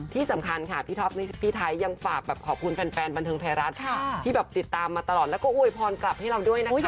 ที่สำคัญค่ะพี่ท็อปพี่ไทยยังฝากแบบขอบคุณแฟนบันเทิงไทยรัฐที่แบบติดตามมาตลอดแล้วก็อวยพรกลับให้เราด้วยนะคะ